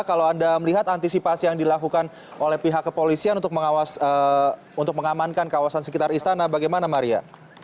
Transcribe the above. kalau anda melihat antisipasi yang dilakukan oleh pihak kepolisian untuk mengamankan kawasan sekitar istana bagaimana maria